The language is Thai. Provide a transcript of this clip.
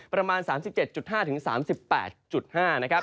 ประมาณ๓๗๕๓๘๕นะครับ